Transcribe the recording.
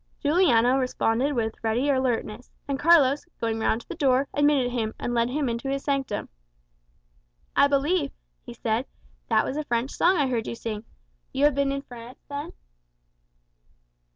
Juliano responded with ready alertness; and Carlos, going round to the door, admitted him, and led him into his sanctum. "I believe," he said, "that was a French song I heard you sing. You have been in France, then?"